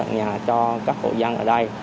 nhà cho các hộ dân ở đây